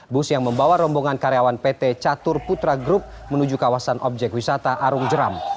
bus yang membawa rombongan karyawan pt catur putra group menuju kawasan objek wisata arung jeram